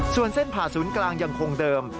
ส่วนเส้นผ่าศูนย์กลางยังคงเดิม